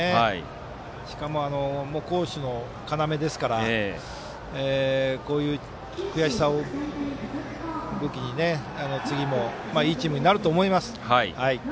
しかも攻守の要ですからこういう悔しさをばねに次もいいチームになると思います。